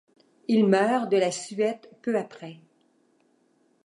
Il meurt de la suette peu après.